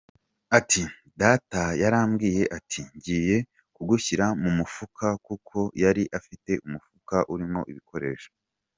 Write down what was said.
Ati “Data yarambwiye ati ‘ngiye kugushyira mu mufuka’ kuko yari afite umufuka urimo ibikoresho.